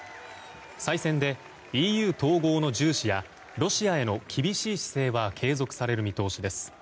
再選でＥＵ統合の重視やロシアへの厳しい姿勢は継続される見通しです。